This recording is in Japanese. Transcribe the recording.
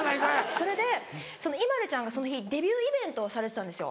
それでＩＭＡＬＵちゃんがその日デビューイベントをされてたんですよ。